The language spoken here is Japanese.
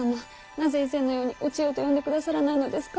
なぜ以前のようにお千代と呼んでくださらないのですか。